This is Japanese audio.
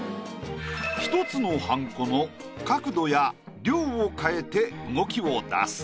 １つのはんこの角度や量を変えて動きを出す。